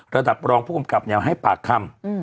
ระดับรองผู้กำกับเนี่ยให้ปากคำ